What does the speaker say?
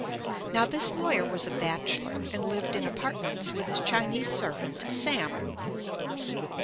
Now, this lawyer was a bachelor, and lived in apartments with his Chinese servant "Sam."